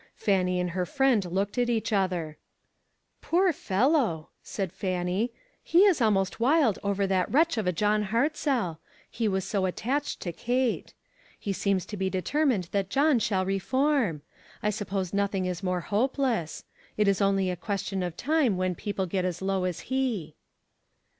Fannie and her friend looked at each other. " Poor fellow !" said Fannie. " He is al most wild over that wretch of a John HartzelL He was so attached to Kate. He seems to be determined that John shall re form. I suppose nothing is more hopeless. It is only a question of time when people get as low as he."